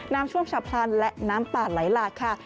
ช่วงฉับพลันและน้ำป่าไหลหลากค่ะ